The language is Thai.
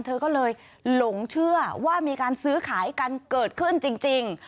เธอก็เลยหลงเชื่อว่ามีการซื้อขายกันเกิดขึ้นจริง